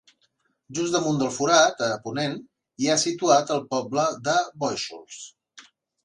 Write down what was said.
Just damunt del forat, a ponent, hi ha situat el poble de Bóixols.